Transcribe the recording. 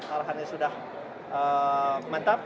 alahannya sudah mantap